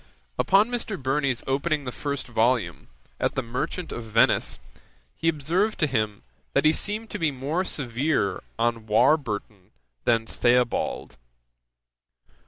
Upon Mr. Burney's opening the first volume, at the Merchant of Venice, he observed to him, that he seemed to be more severe on Warburton than Theobald.